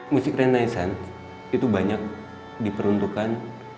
musik renaissance itu banyak diperuntukkan